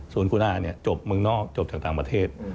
ส่วนคุณอาเนี่ยจบเมืองนอกจบจากต่างประเทศ